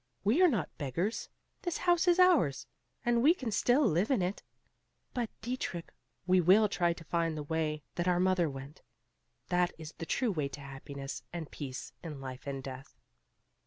We are not beggars; this house is ours, and we can still live in it. But, Dietrich, we will try to find the way that our mother went; that is the true way to happiness and peace in life and death."